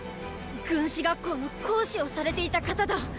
⁉軍師学校の講師をされていた方だ！